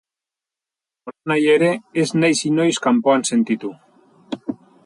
Nolanahi ere ez naiz inoiz kanpoan sentitu.